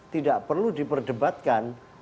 tidak perlu diperdebatkan